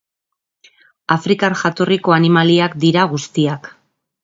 Afrikar jatorriko animaliak dira guztiak.